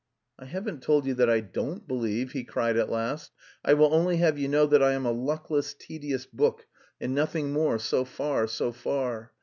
"I haven't told you that I don't believe," he cried at last. "I will only have you know that I am a luckless, tedious book, and nothing more so far, so far....